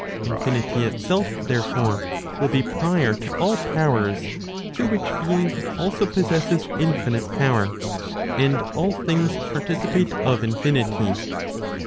Infinity itself therefore, will be prior to all powers, through which being also possesses infinite power, and all things participate of infinity.